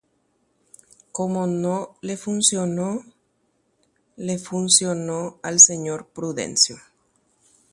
Nosẽporãiva guive chupe, osẽporãitereirasavoi karai Prudencio-pe.